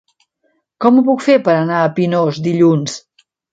Com ho puc fer per anar a Pinós dilluns?